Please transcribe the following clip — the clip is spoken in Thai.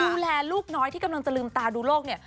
ลูกน้อยที่กำลังจะลืมตาดูโลกเนี่ย